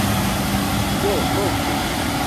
Do provu!